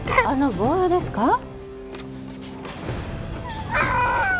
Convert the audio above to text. あのボールですか？